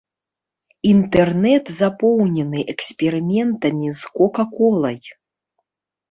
Інтэрнэт запоўнены эксперыментамі з кока-колай.